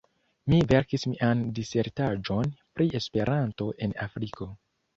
Mi verkis mian disertaĵon pri Esperanto en Afriko.